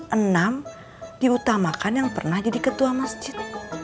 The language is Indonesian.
ke enam diutamakan yang pernah jadi ketua masjid